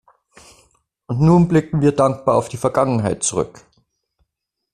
Und nun blicken wir dankbar auf die Vergangenheit zurück.